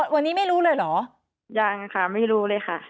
วันนี้ไม่รู้เลยเหรอยังค่ะไม่รู้เลยค่ะ